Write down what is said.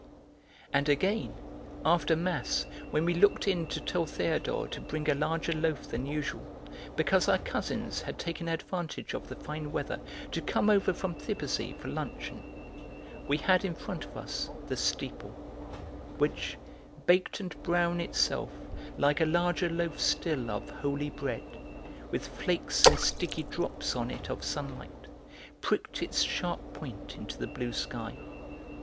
And again, after mass, when we looked in to tell Théodore to bring a larger loaf than usual because our cousins had taken advantage of the fine weather to come over from Thiberzy for luncheon, we had in front of us the steeple, which, baked and brown itself like a larger loaf still of 'holy bread,' with flakes and sticky drops on it of sunlight, pricked its sharp point into the blue sky.